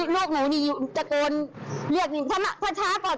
โรคเหมือนว่าจะโกน